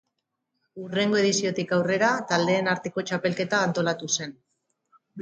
Hurrengo ediziotik aurrera taldeen arteko txapelketa antolatu zen.